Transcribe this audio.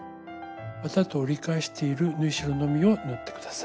綿と折り返している縫い代のみを縫って下さい。